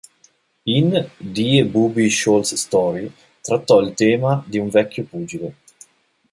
In "Die Bubi-Scholz-Story" trattò il tema di un vecchio pugile.